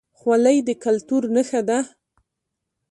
خولۍ د کلتور نښه ده